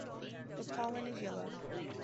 The pollen is yellow.